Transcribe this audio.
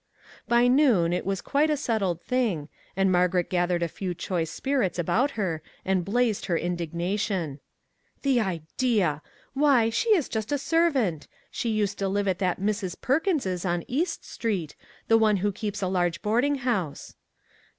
By noon it was quite a settled thing, and Margaret gathered a few choice spirits about her and blazed her indignation, " The idea ! Why, she is just a servant; she used to live at that Mrs. Perkins's on East street, the one who keeps a large boarding house.